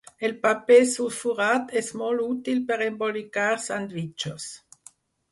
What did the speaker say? El paper sulfurat és molt útil per embolicar sandvitxos